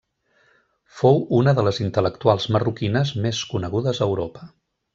Fou una de les intel·lectuals marroquines més conegudes a Europa.